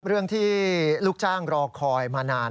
เรื่องที่ลูกจ้างรอคอยมานาน